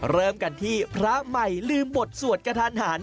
เริ่มกันที่พระใหม่ลืมบทสวดกระทันหัน